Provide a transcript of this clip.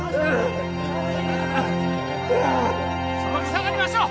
・下がりましょう！